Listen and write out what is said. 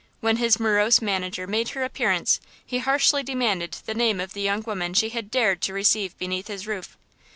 When his morose manager made her appearance he harshly demanded the name of the young woman she had dared to receive beneath his roof.